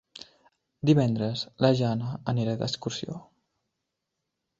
Divendres na Jana anirà d'excursió.